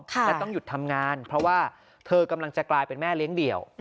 และต้องหยุดทำงานเพราะว่าเธอกำลังจะกลายเป็นแม่เลี้ยงเดี่ยว